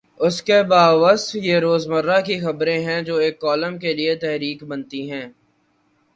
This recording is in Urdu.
اس کے باوصف یہ روز مرہ کی خبریں ہیں جو ایک کالم کے لیے تحریک بنتی ہیں۔